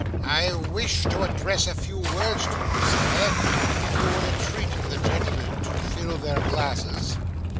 'I wish to address a few words to you, Sir, if you will entreat the gentlemen to fill their glasses.